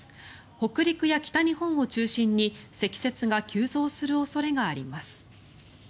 北陸や北日本を中心に積雪が急増する恐れがあります。